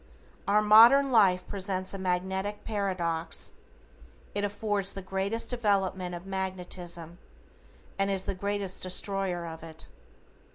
Our modern life presents a magnetic paradox, it affords the greatest development of magnetism and is the greatest destroyer of it.